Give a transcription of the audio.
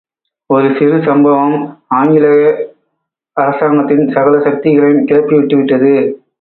ஒரு சிறு சம்பவம் ஆங்கில அரசாங்கத்தின் சகல சக்திகளையும் கிளப்பிவிட்டு விட்டது.